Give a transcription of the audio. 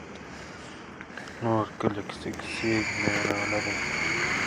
Semyonov was a fluent Mongolian and Buryat language speaker.